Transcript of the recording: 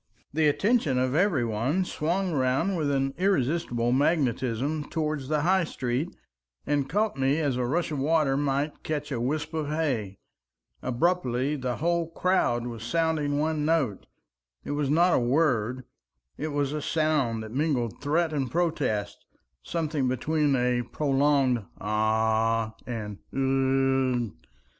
The attention of every one swung round with an irresistible magnetism towards the High Street, and caught me as a rush of waters might catch a wisp of hay. Abruptly the whole crowd was sounding one note. It was not a word, it was a sound that mingled threat and protest, something between a prolonged "Ah!" and "Ugh!"